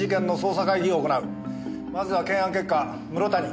まずは検案結果室田仁。